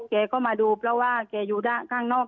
แกก็มาดูเพราะว่าแกอยู่ข้างนอก